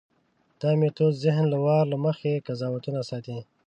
دا میتود ذهن له وار له مخکې قضاوتونو ساتي.